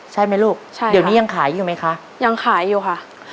ใช่ไหมลูกใช่เดี๋ยวนี้ยังขายอยู่ไหมคะยังขายอยู่ค่ะ